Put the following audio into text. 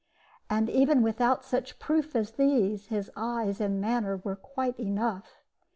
And, even without such proofs as these, his eyes and his manner were quite enough.